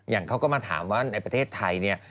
อย่างเขาก็มาถามว่าในประเทศไทย